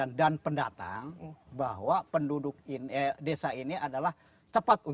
oluyor tiga project ke depan disediakan pada tahun dua ribu delapan